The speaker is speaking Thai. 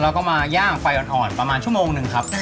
แล้วก็มาย่างไฟอ่อนประมาณชั่วโมงหนึ่งครับ